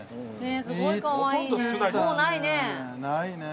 すごいかわいいね。